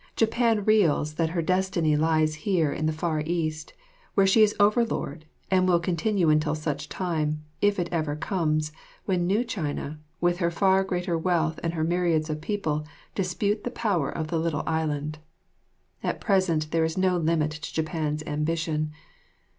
Japan reels that her destiny lies here in the Far East, where she is overlord, and will continue as such until the time, if it ever comes, when new China, with her far greater wealth and her myriads of people, dispute the power of the little Island. At present there is no limit to Japan's ambition.